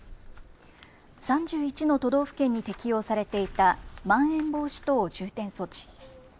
３１の都道府県に適用されていた、まん延防止等重点措置。